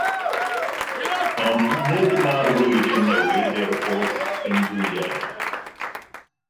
Ond nid dyma'r flwyddyn newydd i'r holl Hindŵiaid.